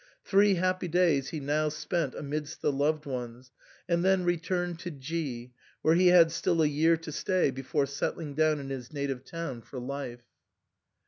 Three happy days he now spent amidst the loved ones, and then returned to G , where he had still a year to stay before settling down in his native town for life.